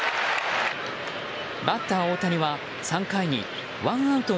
バッター大谷は３回にワンアウト